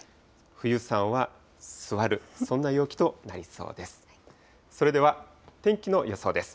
冬さんは座る、そんな陽気となりそうです。